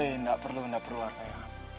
eh gak perlu gak perlu ratna